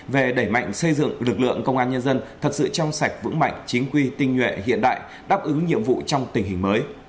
về đẩy mạnh xây dựng lực lượng công an nhân dân thật sự trong sạch vững mạnh chính quy tinh nhuệ hiện đại đáp ứng nhiệm vụ trong tình hình mới